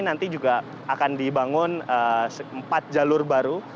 nanti juga akan dibangun empat jalur baru